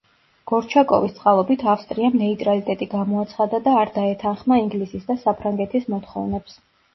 გორჩაკოვის წყალობით ავსტრიამ ნეიტრალიტეტი გამოაცხადა და არ დაეთანხმა ინგლისის და საფრანგეთის მოთხოვნებს.